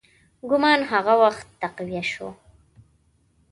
ګومان هغه وخت تقویه شو.